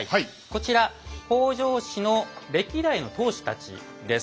こちら北条氏の歴代の当主たちです。